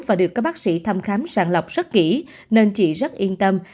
và được các bác sĩ thăm khám sàng lọc rất kỹ nên chị rất yên tâm